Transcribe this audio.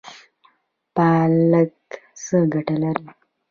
پالک څه ګټه لري؟